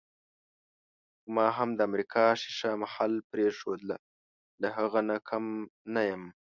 خو ما هم د امریکا ښیښه محل پرېښود، له هغه نه کم نه یم.